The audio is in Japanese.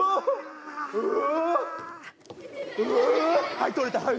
はい取れたはい。